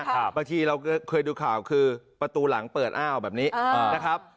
บางทีเราเคยดูข่าวคือประตูหลังเปิดอ้าวแบบนี้นะครับ